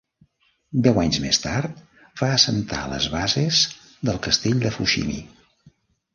Deu anys més tard, va assentar les bases del Castell de Fushimi.